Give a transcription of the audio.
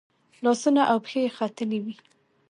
لاسونه او پښې یې ختلي وي.